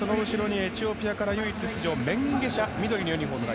エチオピアから唯一出場のメンゲシャ、緑のユニホーム。